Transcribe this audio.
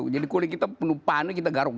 jadi kulit kita penuh panu